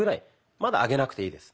まだ上げなくていいです。